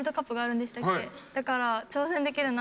だから。